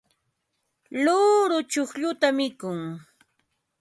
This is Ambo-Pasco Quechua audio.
luuru chuqlluta mikun.